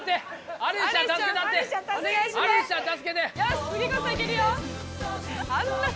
よし次こそいけるよ。